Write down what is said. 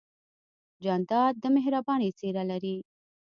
جانداد د مهربانۍ څېرہ لري.